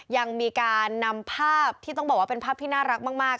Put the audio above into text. ยังมีการนำภาพที่ต้องบอกว่าเป็นภาพที่น่ารักมาก